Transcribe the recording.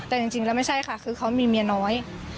แต่จริงแล้วไม่ใช่ค่ะคือเขามีเมียน้อย